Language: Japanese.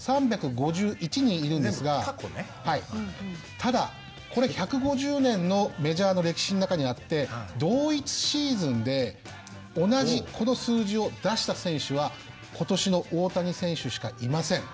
ただこれ１５０年のメジャーの歴史の中にあって同一シーズンで同じこの数字を出した選手はことしの大谷選手しかいません。